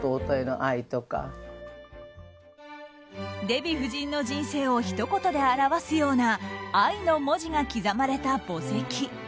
デヴィ夫人の人生をひと言で表すような「愛」の文字が刻まれた墓石。